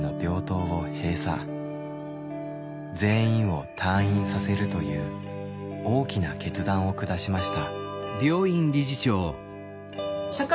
全員を退院させるという大きな決断を下しました。